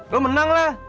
lo menang lah